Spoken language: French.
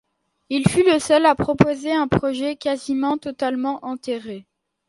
Il fut le seul à proposer un projet quasiment totalement enterré.